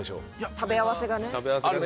食べ合わせがね。